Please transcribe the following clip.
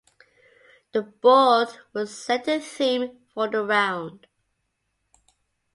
The board will set the theme for the round.